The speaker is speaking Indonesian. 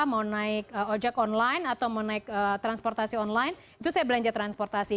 mau naik ojek online atau mau naik transportasi online itu saya belanja transportasi